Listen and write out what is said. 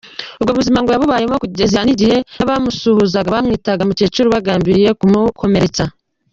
Ubwo buzima ngo yabubayemo kugeza n’igihe n’abamusuhuzaga bamwitaga mukecuru bagambiriye kumukomeretsa.